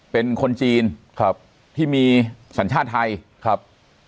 เป็นคนจีนครับที่มีสัญชาติไทยครับ